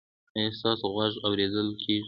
ایا ستاسو غږ اوریدل کیږي؟